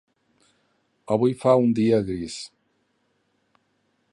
Avui fa un dia gris.